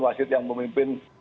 wasid yang memimpin